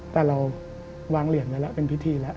แต่เราวางเหรียญไว้แล้วเป็นพิธีแล้ว